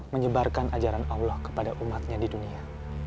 menyebarkan ajaran allah kepada umatnya di dunia